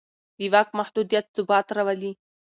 د واک محدودیت ثبات راولي